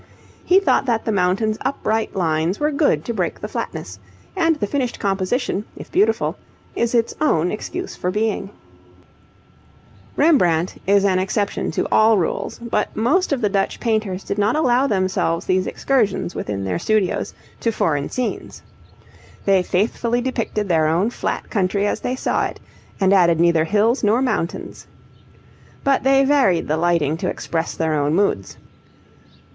He thought that the mountain's upright lines were good to break the flatness; and the finished composition, if beautiful, is its own excuse for being. [Illustration: LANDSCAPE WITH CATTLE From the picture by Cuyp, in the Dulwich Gallery] Rembrandt is an exception to all rules, but most of the Dutch painters did not allow themselves these excursions within their studios to foreign scenes. They faithfully depicted their own flat country as they saw it, and added neither hills nor mountains. But they varied the lighting to express their own moods.